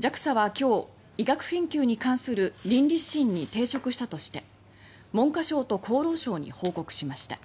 ＪＡＸＡは今日医学研究に関する倫理指針に抵触したとして文科省と厚労省に報告しました。